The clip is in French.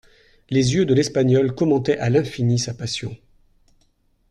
Les yeux de l'Espagnole commentaient à l'infini sa passion.